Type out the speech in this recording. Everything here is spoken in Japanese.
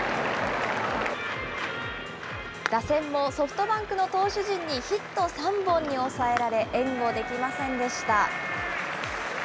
打線もソフトバンクの投手陣にヒット３本に抑えられ、援護できませんでした。